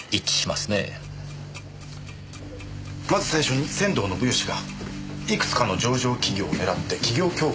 まず最初に仙道信義がいくつかの上場企業を狙って企業恐喝を仕掛ける。